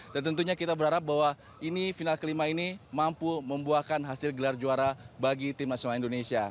dan tentunya kita berharap bahwa ini final kelima ini mampu membuahkan hasil gelar juara bagi tim nasional indonesia